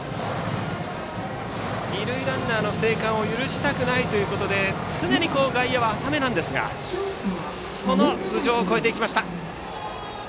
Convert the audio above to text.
二塁ランナーの生還を許したくないということで常に外野は浅めなんですがその頭上を越えていきました。